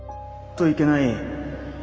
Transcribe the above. といけない。